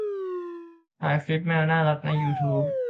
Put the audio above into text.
หาคลิปแมวน่ารักในยูทูบ